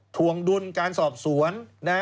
ถวงดุลการสอบสวน